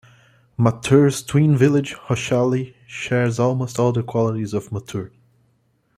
Mattur's twin village, Hosahalli, shares almost all the qualities of Mattur.